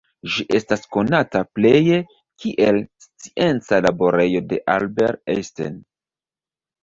Ĝi estas konata pleje kiel scienca laborejo de Albert Einstein.